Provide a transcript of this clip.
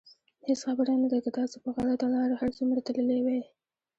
هېڅ خبره نه ده که تاسو په غلطه لاره هر څومره تللي وئ.